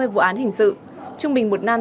vụ án hình sự trung bình một năm